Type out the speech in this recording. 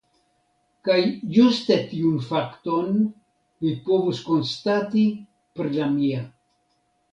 Kaj ĝuste tiun fakton vi povus konstati pri la mia.